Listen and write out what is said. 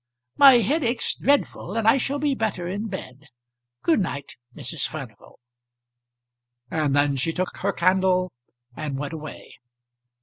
"My head aches dreadful, and I shall be better in bed. Good night, Mrs. Furnival." And then she took her candle and went away.